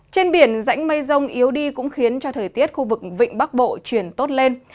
trên biển rãnh mây rông yếu đi cũng khiến cho thời tiết khu vực vịnh bắc bộ chuyển tốt lên